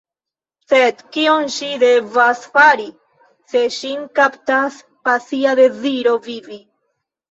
Sed kion ŝi devas fari, se ŝin kaptas pasia deziro vivi?